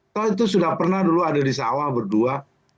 toh itu sudah pernah dulu ada di sawah berdua